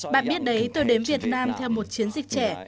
bạn biết đấy tôi đến việt nam theo một chiến dịch trẻ